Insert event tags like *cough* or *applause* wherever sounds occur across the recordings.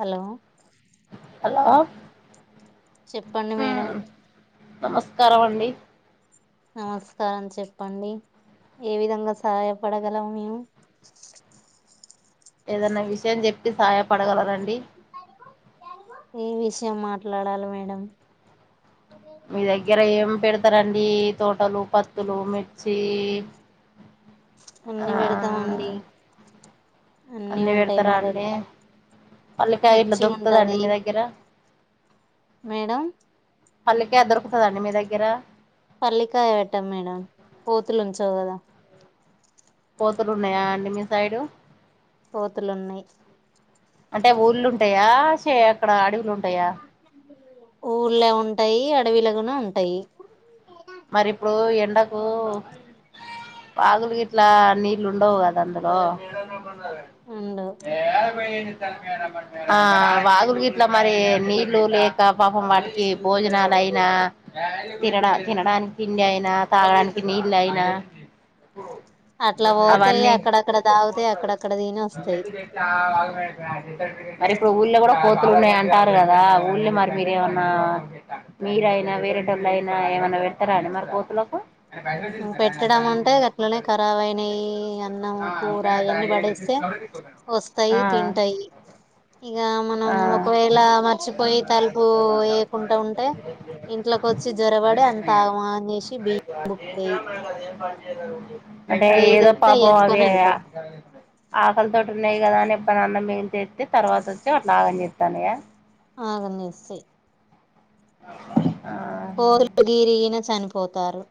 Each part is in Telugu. హలో హలో చెప్పండి మేడం నమస్కార అండి నమస్కారం చెప్పండి ఏ విధంగా సహాయపడగలం మేము ఏదన్నా విషయం చెప్పి సహాయపడగలరాండి ఏ విషయం మాట్లాడాలి మేడం మీ దగ్గర ఏం పెడతారంండి తోటలు పత్తులు మిర్చి ఆ అన్ని పెడతామండి అన్ని అన్నిీ ఉంటాయి పెడతారా మా అండి దగ్గర పల్లకాయ ఇట్లా మిర్చి దొక్కుతుదండి ఉంటది మీ దగ్గర మేడం పల్లికే దొరుకుతుదండి మీ దగ్గర పల్లికాయ పెట్టాం మేడం కోతులు ఉంచావు కదా పోతురు ఉన్నాయా అండి మీ సైడు కోతులున్నాయి అంటే ఊళ్ళుంటాయా అక్కడ అడవులు ఉంటా యా ఊర్లే ఉంటాయి అడవిలో కూడా ఉంటాయి. మరి ఇప్పుడు ఎండకు వాగులకి ఇట్లా నీళ్లు ఉండవు కదా అందులో ఉండు ఏ పో తలడా పగు *unintelligible* ఇట్లా మరి నీళ్ళలు లేక పాపం వాటికి భోజనాలు అయినా తినడ తినడానికి తిండి అయినా తాగడానికి నీళ్ళ అయినా అట్లా పోతే అవన్నీ అక్కడక్కడ తాగుతాయి అక్కడక్కడ తిని వస్తాయి మరి ఇప్పుడు ఊళ్ళో కూడా కోతులు ఉన్నాయంట కదా ఊళ్ళే మరి మీరేమన్నా మీర అయినా వేరేంటోళ్ళు అయినా ఏమ పెడతారండి మరి కోతులకు పెట్టడం అంటే అట్లనే ఖరాబయినాయి అన్నం కూర ఇవన్నీ పడేస్తే వస్తాయి ఆ తింటాయి ఇగ మనం ఆ ఒకవేళ మర్చిపోయి తలుపు వేయకుండా ఉంటే ఇంట్లోకి వచ్చి జ్వరపడి అంత, ఆగం ఆగం చేసి బి అంటే ఇంక ఇది ఏదో వస్తే అయి పాపం అవి ఎత్తుకొని అయా వెళ్తాయి ఆకలితోటి ఉన్నాయి కదా అని ఎప్ప నాన్న మేన్ తెస్తతే తర్వాత వచ్చి అట్లా ఆగం చేతనయ ఆగం చేస్తాయి ఆ కోతులు గిరిగిన చనిపోతారు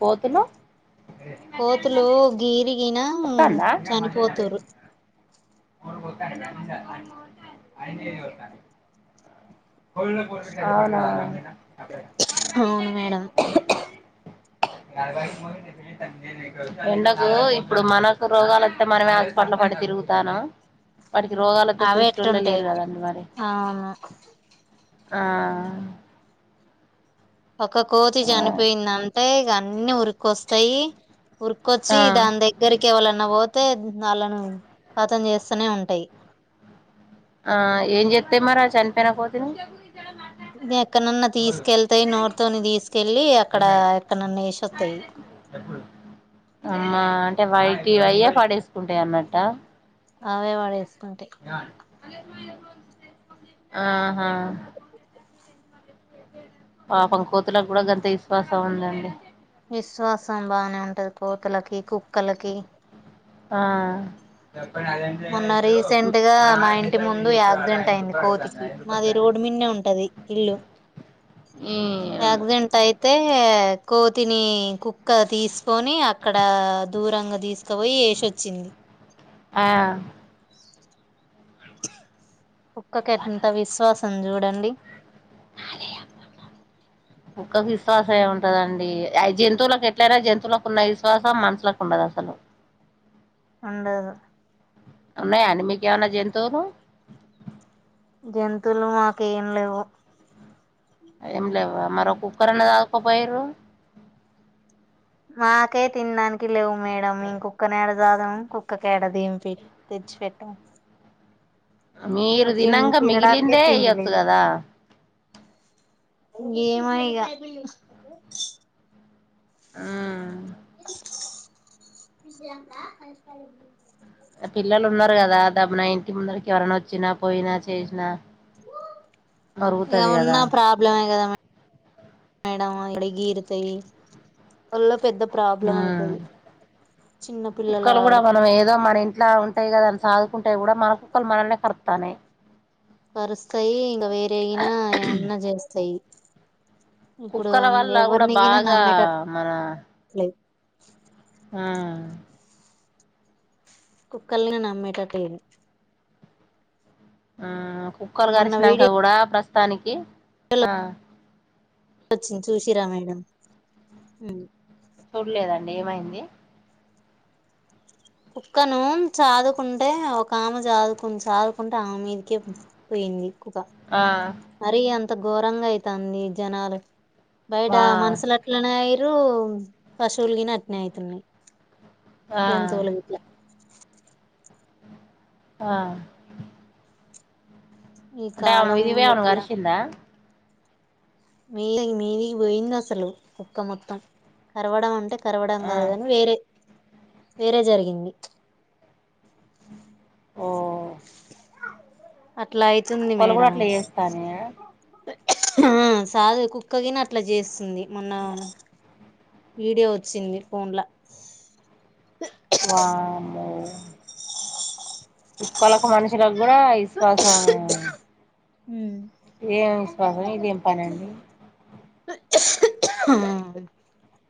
కోతులు కోతులు గీరి నా వత్తాందా చనిపోతూరు అవునా అవును మేడం ఎండకు ఇప్పుడు మనకు రోగాలుస్తే మనమే హాస్పిటల్ పడి తిరుగుతాన్నాం వాటికి రోగాలు ఎత్తే అవే సూసేటోల్లే లేరు ఎట్టుంటాయి కదండి మరి అవును ఆ ఒక కోతి ఆ చనిపోయింది అంటే ఇగా అన్నీ ఉరుకొస్తాయి ఉరికొచ్చి ఆ దాని దగ్గరికి ఎవాలన్నా పో తే వాళ్లను కతం చేస్తూనే ఉంటాయి ఆ ఏం చేత మరి ఆ చనిపోయిన కోతిని ఎక్కడన్నా తీసుకెళ్తాయి నోట్తోని తీసుకెళ్ళి అక్కడ ఎక్కనన్నా వేసేస్తాయి ఇ అయ్య పాడేసుకుంటాయి అన్నట అవే పడేస్తుంటాయి మల్లేష్ మామ ఇయర్ ఫోన్స్ ఇచ్చేయ్ ఆహా పాపం కోతులకు కూడా గంత విశ్వాసం ఉందండి విశ్వాసం బాగానే ఉంటది కోతలకి కుక్కలకి ఆ మొన్న రీసెంట్ గా మా ఇంటి ముందు యాక్సిడెంట్ అయింది కోతికి మాది రోడ్డు మీదే ఉంటది ఇల్లు ఈ యాక్సిడెంట్ అయితే కోతిని కుక్క తీసుకొని అక్కడ దూరంగా తీసుకుపోయి వేసిచ్చింది ఆ కుక్కకు ఎంత విశ్వాసం సం చూడండి. కుక్కకు విశ్వాసం ఏ ఉంటదండి. జంతువులకు ఎట్లయినా జంతువులకు ఉన్న విశ్వాసం మనషూలకు ఉండదు. అసలు ఉండదు ఉన్నాయ. అండి మీకు ఏమన్నా జంతువులు జంతువులు మాకు ఏం లేవు ఎం లేవు మరో కుక్కను అన్న సదుకో పొయ్యిరు. మాకే తినాడానికి లేవు. మేడం మెం కూక్కను ఏడ జాదుము కుక్కకు ఏడదింపి తెచ్చి పెట్టాం. మీరు మాకు తి తినంగా తినడానికే మిగిలిందే తిండి ఏయ్యొచ్చు లేదు గాదా ఏమో ఇగ హ్ జ ప పిల్లలు ఉన్నారు. కదా డబ్భు న ఇంటికి ముందరికి ఎవరనా వచ్చినా పోయినా చేసినా ఇగా మరుగుతది కదా ఉన్నా ప్రాబ్లమే కదా మేడం హా ఈడ గిరుతై హ్ చిన్న పిల్లలు కుక్కలు కూడా ఆడుత మనం ఏదో మన ఇంట్ల ఉంటాయి. కదా ని సాదుకుంటే కూడా మనకు *unintelligible* మనల్న్లె కర్తన్నాయి కరుస్తాయి. ఇంగా వేరే ఆయినా ఏమాన్నా జేస్తాయి. కుక్కల వల్ల కూడా ఎవరినిగిన బాగా నమ్మేటట్లేదు మన ఆ కుక్కల్లి నమ్మే టట్టు లేదు. ఆ కుక్కలు కరిసినంక వీడియో కూడా ప్రాస్ స్తానికి వొచ్చింది. చూసిర్ర మేడం చూడలేదండి ఏమైంది కుక్కను చాదుకుంటే ఒక ఆమె చాదుకుంది చాదుకుంటే ఆమె మీదకే పోయింది. ఆ మరి అంత ఘోరంగా అయి తంది జనాలు బయట వా మనసులాట్లనే అయిర్ మీరు పశువులు గినా అట్నే అయితున్నాయి. ఆ జంతువులు గిట్ల ఆ ఈ అంటే ఆమె కాలం మీదికి పోయి ఆమెను కరిచిందా మీది మీదికి పోయింది. అసలు కుక్క మొత్తం కరవడం అంటే కరవడం ఆ కాదు గానీ వేరే వేరే జరిగింది ఓ అట్లా అయితుంది కుక్కలు కూడా మేడం అట్లు చేస్తానయ ఆ సాదే కుక్కగినా అట్లా చేస్తుంది మొన్న వీడియో వచ్చింది ఫోన్లా వామ్మో కొలంకు మనిషి లకు కూడా విశ్వాసం ఉమ్ ఏం విశ్వాసం ఇదేం పని అండీ హుం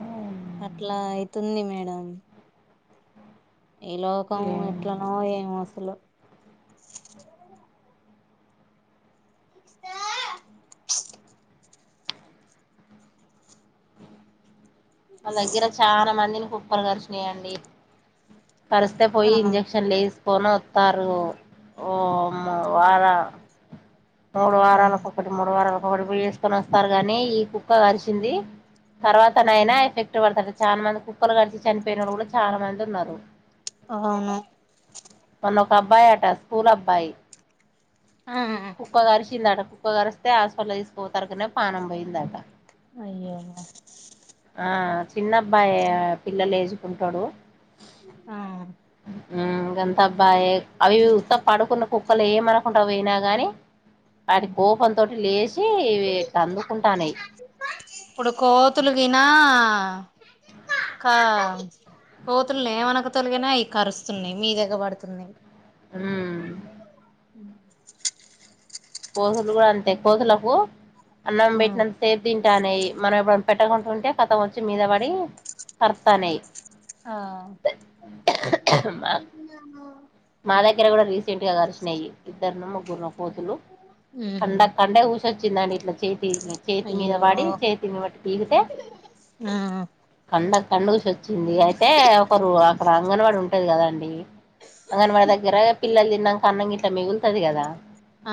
అ అట్లా ఐతుంది మేడం ఈ లోకం ఎట్లనో ఏమో స్ తుల్లో మా దగ్గర చానా మందిని కుక్కలు కరిచ్చినై అండి కరిస్తే ఆ పొయ్యి ఇంజక్షన్ లేస్ కోనొత్తారు ఓ మా వార మూడు వారాల ఉమ్ ఒకటి మూడు వారాల ఒకడుపోయి వేసుకొని వస్తారు గాని ఈ కుక్క కరిచింది తర్వాత నైనా కానీ చానా మంది కుక్కలు కరిచి చనిపోయినోళ్ళు కూడా చానా మంది ఉన్నారు అవును మొన్న ఒక అబ్బాయి అట స్కూల్ అబ్బాయి ఆ కుక్క కరిచింది అట కుక్క కరిస్తే హాస్పటల్ తీసుకుపోయే సారికనే పాణం పోయిందాట అయ్యో ఆ చిన్నబ్బాయి పిల్లల్ అజికుంటాడు ఆ హ్ గంతా అబ్బాయి అవి ఉత్త పడుకున్న కుక్కలు ఏమనకుండా పోయినా గాని వాటి కోపం తోటి లేచి ఇట్లా అందుకుంటానాయి ఆ కా కోతుల్ని ఏమనక తొలిగిన అవి కరుస్తున్నాయి మీద ఎగబడుతున్నాయి హ్మ్ కోతులు కూడ అంతే కోతులకు అన్నం ఆ పెట్టినంత సేపు తింటానే మనం పెట్టకుంటడా ఉంటే కథం వచ్చి మీద పడి కర్తానేయ ఆ ఇర కూడా చింటగా కర్శినయిి ఇద్దరు ను ముగ్గురున కోతులు ఉహు కండ కండే ఊస ందట్ చేతి చేతి మీద అయ్యో వాడి చేతిని బట్టి ప తీగితే ఆ కండ కండుసి వచ్చింది అయితే ఒకరు అక్కడ అంగన్వాడి ఉంటది కదాండి అ అంగన్వాడ దగ్గర పిలల్ న్నాక అన్నం గ ఇట్లా మిగులుతుది కదా ఆ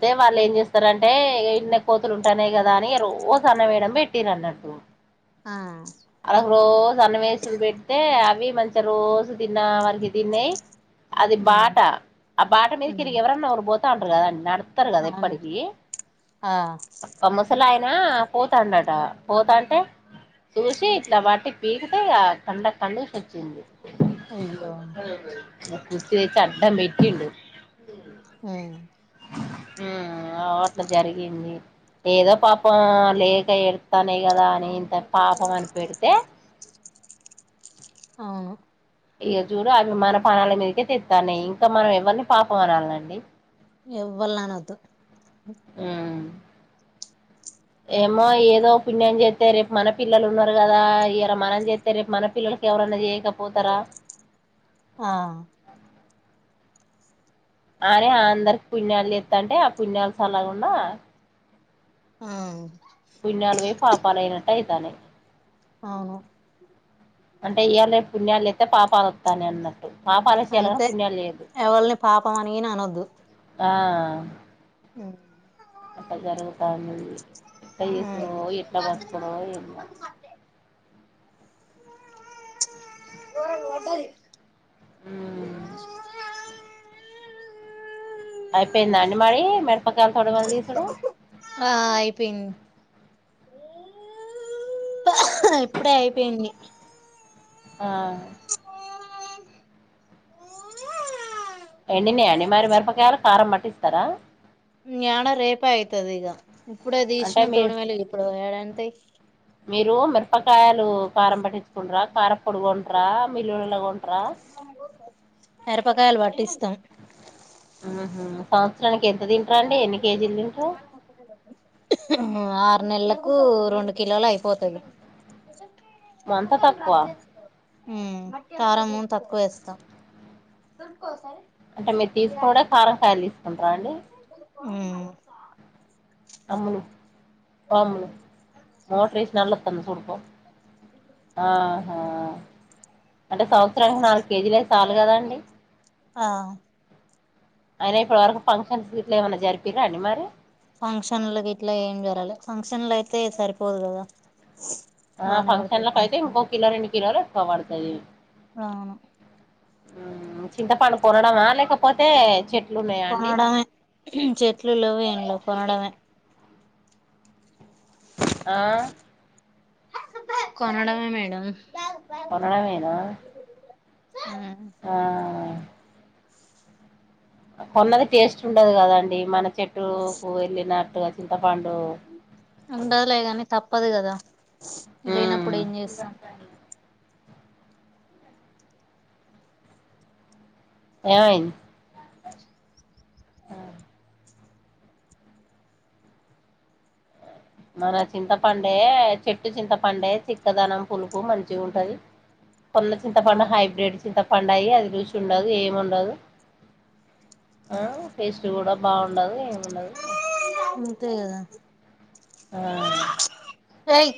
అయితే వాళ్ళు ఏం చేస్తారంటే ఎన్న కోతులు ఉంటానేయి కదా అని రోజు అన్న వేయడం పెట్టిారు అన్నట్టు ఆ వాళ్ళకి రోజు అన్వేసుడు పెడితే అవి మంచిగా రోజు తిన్న వారికి తిన్నాయి అది ఉమ్ బాట ఆ బాట మీద తిరిగి ఉమ్ ఎవరని నరు పోతా ఉంట అ అ అ ారు కద అవును ఎప్పటిక ఆ మసలా పోతాన్నట పోతాంటే చూసి ఇట్లా బట్టి పీకితే ఆ కండ కడుసి వచ్చింది అయ్యో పూచ తెచ్చ అడ్డండం పెటి హ అ అట్లా జరిగింది ఏదో పాపం లేక ఎడతానే కదా అని ఇంత పాపం అని పెడితే ఆ ఈయ చూడు అవి మన పణాల మీదకే తెస్తానుయి ఇంకా మనం ఎవరిని పాపంనాలండి ఎవ్వలను అదు అ ఏమో ఏదో పుణ్యం చేస్తే రేపు మన పిల్లలు ఉన్నారు కదా ఇలా మనం చేస్తే రేపు మన పిల్లలకి ఎవరన్నా చేయకపోతారా ఆ అనే అందరికి పుణ్యాలు ఎస్తా అంటే ఆ పుణ్యాాలస్ అలాకుండా ఆ అైతాే అవు అంటే ఇ్యళ పుణ్యాలు అయితే పాపాలు వస్తానే అన్నారు అంతే ఎవరిని పాపం అనిని అనొద్దు ఆ అ అట్ట జరుగుతాంది ఎట్లా చేసుడో ఎట్లా బతుకుడో ఏమో ఉమ్ అయిపోయింద అండి మరి మిడపకాయలు తోడువళ తీసుడు ఆ అయిపోయింది ఇప్పుడే అయిపోయింది ఆ ఎండినియ అండి మరి మిరపకాయలు కారం పట్టిస్తారా ఎడా రేపా అయితది ఇగ ఇప్పుడ అంటే తీసినా మీరు తోడుమేళ ఇప్పుడు ఏడా అందుతాయి మీరు మిరపకాయలు కారం పట్టించుకుంటరా కారం పోడి టారా మిలుళలాగా కొంట్రా ఎరపకాయలు వాటిస్త హు హు సంవత్సరంనికి ఎంతది రండి ఎనీ ఆ నెలకు రెండు కిలోలు అయిపోతుంది మంత తక్కువ ఉ కారంము తక్కువ వేస్తాం రం కోసర అంటే మీరు తీసుకునుడే కారంకాయలు తీసుకుంటార అండి ఉ అమ్ములు ఓ అమ్ములు మోటార్ రవేసి నల్ల అత్తద సుడుపో ఆహా అంటే సౌ రానికి నాలుగు కేజీలే సాలు కదాండి ఆ అయినా ఇప్పటి వరకు ఫంక్షన్స్ ఇట్లా ఏమన్నా జరిపింరా అండి మరి ఫంక్షన్లకి ఇట్లా ఏం జరాలి ఫంక్షన్లు అయితే సరిపోదు కదా ఆ బానే పడుతది ఫంక్షన్ లకి అయితే ఫంక్షన్లు ఇంకో కిలో రెండు కిలోలు పాబడతాయి అవును చింత పండు కొనడమా లేకపోతే చెట్లు ఉన్నాయా అండి కొనడమే చెట్లు లేవు ఏం లేవు కొనడమే ఆ కొనడమే మేడం కొనడమేనా ఉమ్ హా కొన్నదే టేస్ట్ ఉండదు కదండీ మనకి చెట్టుకు ఎండినట్టు వచ్ *unintelligible* చింతపండు ఉండదులేగాని తప్పదు కాదా ఉమ్ లేనప్పుడు ఏం చేస్తాం ఏమైంది అహ్ మన చింతపండే చెట్టు చింతపండే చిక్కదనం పులుపు మంచిగా ఉంటది కొన్న చింతపండు అవును హైబ్రిడ్ చింత పండయి అది రూచి ఉండదు ఏమి ఉండదు టేస్ట్ కూడా బాగుండదు ఏముండదు అంతే కదా అహ్ ఏయే